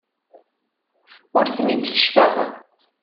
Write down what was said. Ur ten-id-keccfeɣ.